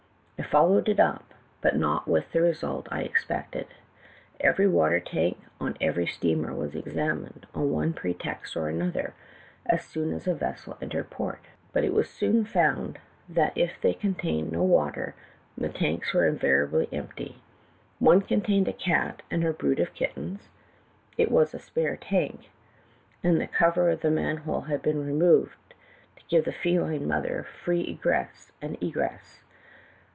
"I followed it up, but not with the result I expected. Every water tank on every steamer was examined on one pretext or another, as soon as a vessel entered port, but it was soon found that if they contained no water, the tanks were invariably empty. One contained a cat and her brood of kittens; it was a spare tank, and the cover of the manhole had been removed to give the feline mother free ingress and egress.